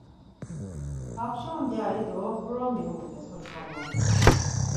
Kapçongyari do ǩromi uğut̆es oç̌ǩomoni.